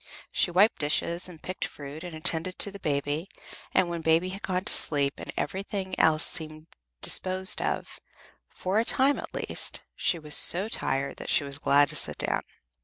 She wiped dishes and picked fruit and attended to the baby; and when baby had gone to sleep, and everything else seemed disposed of, for a time, at least, she was so tired that she was glad to sit down.